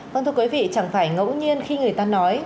vâng thưa quý vị chẳng phải ngẫu nhiên khi người ta nói